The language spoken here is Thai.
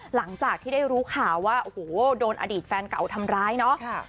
หลังจากที่ได้รู้ข่าวว่าโอ้โหโดนอดีตแฟนเก่าทำร้ายเนาะ